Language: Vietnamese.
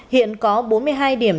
hiện có bốn mươi hai điểm